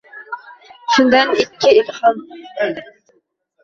Shundan ikki ilhom